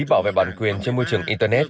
bảo vệ bản quyền trên môi trường internet